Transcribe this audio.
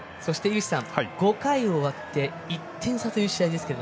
井口さん、５回を終わって１点差という試合です。